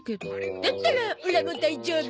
だったらオラも大丈夫。